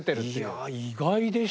いや意外でしたね。